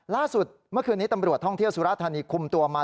ล่าสุดเมื่อคืนนี้ตำรวจท่องเที่ยวสุราธานีคุมตัวมา